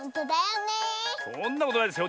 そんなことないですよ。